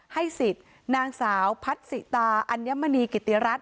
ให้สิทธิ์นางสาวพัฒิตาอัญมณีกิติรัฐ